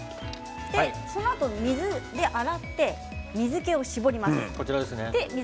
そのあと水で洗って水けを絞ります。